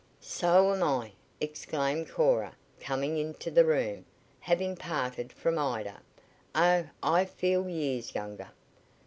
"So am I!" exclaimed Cora, coming into the room, having parted from Ida. "Oh, I feel years younger!"